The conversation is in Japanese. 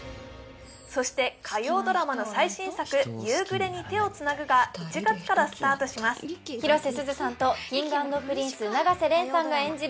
そして火曜ドラマの最新作「夕暮れに、手をつなぐ」が１月からスタートします広瀬すずさんとＫｉｎｇ＆Ｐｒｉｎｃｅ永瀬廉さんが演じる